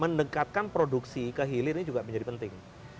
mendekatkan produksi ke hilir ini juga menjadi penting